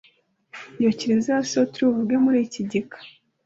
iyo kiliziya si yo turi buvuge muri iki gika